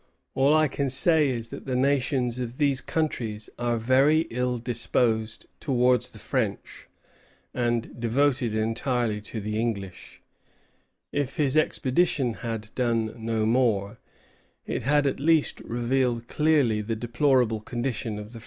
All I can say is, that the nations of these countries are very ill disposed towards the French, and devoted entirely to the English." If his expedition had done no more, it had at least revealed clearly the deplorable condition of French interests in the West.